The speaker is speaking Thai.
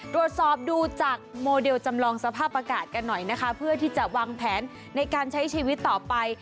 ตรวจสอบดูจากโมเดลจำลองสภาพอากาศกันหน่อยนะคะเพื่อที่จะวางแผนในการใช้ชีวิตต่อไป